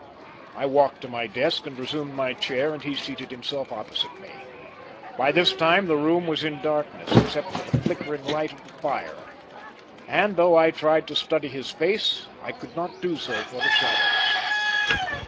I walked to my desk and resumed my chair, and he seated himself opposite to me. By this time the room was in darkness, except for the flickering light of the fire, and though I tried to study his face I could not do so for the shadows.